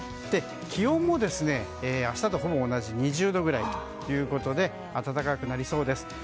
気温も明日とほぼ同じ２０度ぐらいということで暖かくなりそうです。